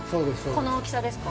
この大きさですか。